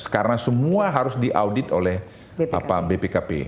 karena semua harus diaudit oleh bpkp